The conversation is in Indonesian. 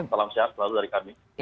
salam sehat selalu dari kami